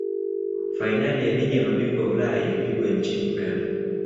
fainali ya ligi ya mabingwa ulaya ilipigwa nchini ureno